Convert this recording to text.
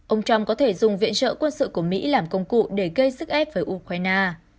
ông trump có thể dùng viện trợ quân sự của mỹ làm công cụ để gây sức ép với ukraine